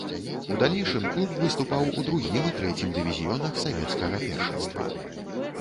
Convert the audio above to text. У далейшым клуб выступаў у другім і трэцім дывізіёнах савецкага першынства.